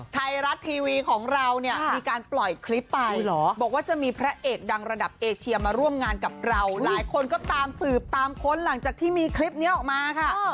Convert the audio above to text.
ไทยรัฐทีวีของเราเนี่ยมีการปล่อยคลิปไปบอกว่าจะมีพระเอกดังระดับเอเชียมาร่วมงานกับเราหลายคนก็ตามสืบตามค้นหลังจากที่มีคลิปนี้ออกมาค่ะ